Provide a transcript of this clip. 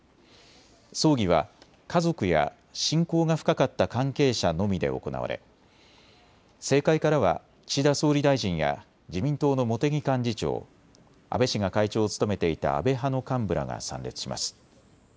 葬儀は家族や親交が深かった関係者のみで行われ、政界からは岸田総理大臣や自民党の茂木幹事長、安倍氏が会長を務めていた安倍派の幹部らが参列します。